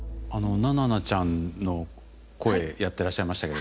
ナナナちゃんの声やっていらっしゃいましたけれども。